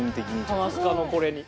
『ハマスカ』のこれに。